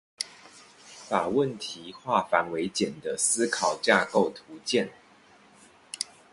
把問題化繁為簡的思考架構圖鑑